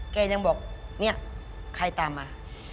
แกยังบอกเนี่ยใครตามมา